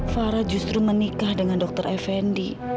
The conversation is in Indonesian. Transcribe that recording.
farah justru menikah dengan dokter effendi